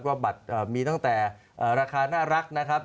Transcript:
บัตรมีตั้งแต่ราคาน่ารักนะครับ